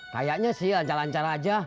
kayaknya sih lancar lancar aja